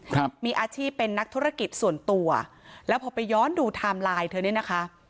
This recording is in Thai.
ครับมีอาชีพเป็นนักธุรกิจส่วนตัวแล้วพอไปย้อนดูไทม์ไลน์เธอเนี้ยนะคะ